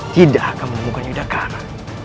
tidak akan menemukan yudhakara